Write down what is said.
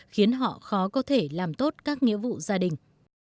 khiến họ khó có thể làm tốt các nghĩa vụ gia đình